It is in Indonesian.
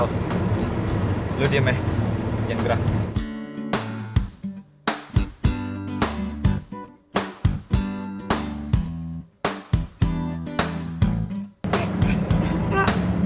sal lo diem ya jangan gerak